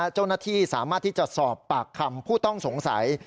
เจ้าหน้าที่สามารถที่จะสอบปากคำผู้ต้องสงสัย